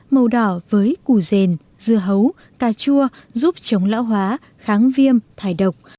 màu đỏ với cù rền dưa hấu cà chua giúp chống lão hóa kháng viêm thải độc